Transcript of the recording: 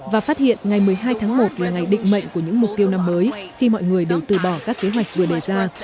và phát hiện ngày một mươi hai tháng một là ngày định mệnh của những mục tiêu năm mới khi mọi người đều từ bỏ các kế hoạch vừa đề ra